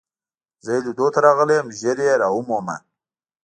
زه يې لیدو ته راغلی یم، ژر يې را ومومه.